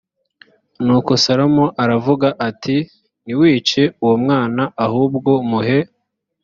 nuko salomo aravuga ati ntiwice uwo mwana ahubwo muhe